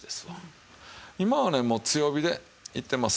今はねもう強火でいってます。